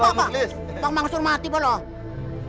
pak moklis pak maksur mati pak